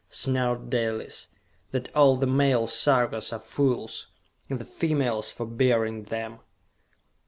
snarled Dalis. "That all the male Sarkas are fools and the females for bearing them!"